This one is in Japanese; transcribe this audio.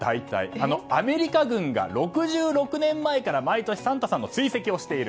アメリカ軍が６６年前から毎年サンタさんの追跡をしている。